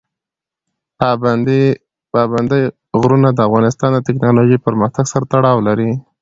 پابندی غرونه د افغانستان د تکنالوژۍ پرمختګ سره تړاو لري.